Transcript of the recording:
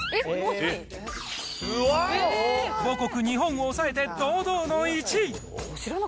母国日本を抑えて堂々の１位。